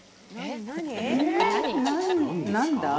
何だ？